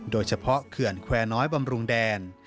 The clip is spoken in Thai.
โดยเฉพาะเขื่อนแควน้อยบำรุงแดน